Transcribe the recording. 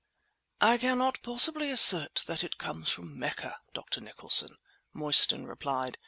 "I cannot possibly assert that it comes from Mecca, Dr. Nicholson," Mostyn replied.